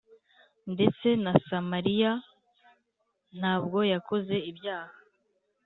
Ndetse na Samariya ntabwo yakoze ibyaha